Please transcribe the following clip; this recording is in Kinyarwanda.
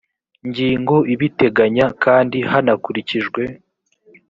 ngingo ibiteganya kandi hanakurikijwe